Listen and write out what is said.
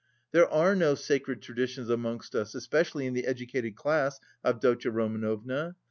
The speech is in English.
There are no sacred traditions amongst us, especially in the educated class, Avdotya Romanovna.